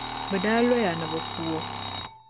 Bɛ daa lɔya ni bɛ ku o.